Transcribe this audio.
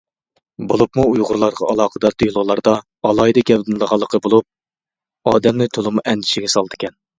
بولۇپمۇ ئۇيغۇرلارغا ئالاقىدار دېلولاردا ئالاھىدە گەۋدىلىنىدىغانلىقىنى بولۇپ، ئادەمنى تولىمۇ ئەندىشىگە سالىدىكەن.